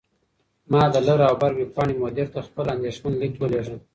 ما د «لر او بر» ویبپاڼې مدیر ته خپل اندیښمن لیک ولیږه.